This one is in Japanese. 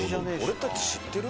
俺たち知ってる？